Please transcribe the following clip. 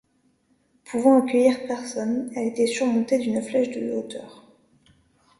Pouvant accueillir personnes, elle était surmontée d'une flèche de de hauteur.